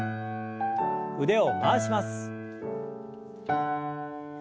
腕を回します。